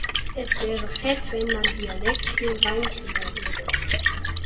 Es wäre fett, wenn man Dialekt hier reinkriegen würde.